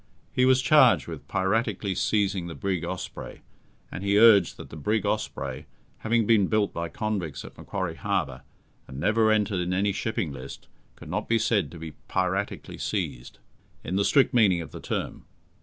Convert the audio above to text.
He was charged with piratically seizing the brig Osprey, and he urged that the brig Osprey, having been built by convicts at Macquarie Harbour, and never entered in any shipping list, could not be said to be "piratically seized", in the strict meaning of the term.